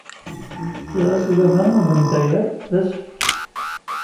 Fkiɣ-as i baba abendayer d asefk.